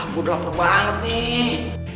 gua dafer banget nih